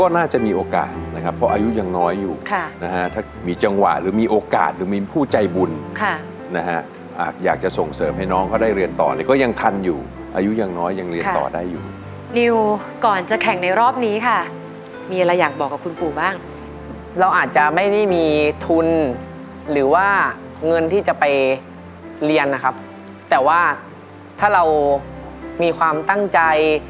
น่าจะมีโอกาสนะครับเพราะอายุยังน้อยอยู่ค่ะนะฮะถ้ามีจังหวะหรือมีโอกาสหรือมีผู้ใจบุญค่ะนะฮะอยากจะส่งเสริมให้น้องเขาได้เรียนต่อเนี่ยก็ยังทันอยู่อายุยังน้อยยังเรียนต่อได้อยู่นิวก่อนจะแข่งในรอบนี้ค่ะมีอะไรอยากบอกกับคุณปู่บ้างเราอาจจะไม่ได้มีทุนหรือว่าเงินที่จะไปเรียนนะครับแต่ว่าถ้าเรามีความตั้งใจ